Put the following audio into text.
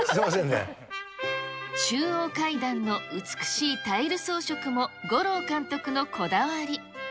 中央階段の美しいタイル装飾も吾朗監督のこだわり。